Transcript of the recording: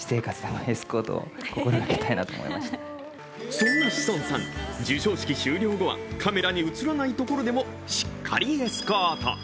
そんな志尊さん、授賞式終了後はカメラに映らないところでもしっかりエスコート。